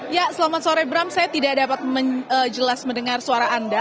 ya selamat sore bram saya tidak dapat jelas mendengar suara anda